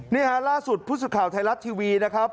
นี่ค่ะล่าสุดพุศุข่าวไทยรัตน์ทีวีนะครับ